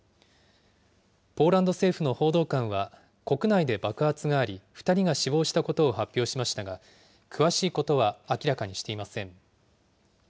ポーランド政府の報道官は、国内で爆発があり、２人が死亡したことを発表しましたが、詳しいことは明らかにしていません。